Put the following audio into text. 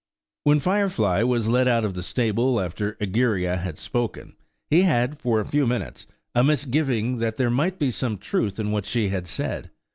When Firefly was led out of the stable after Egeria had spoken, he had, for a few minutes, a misgiving that there might be some truth in what she had said.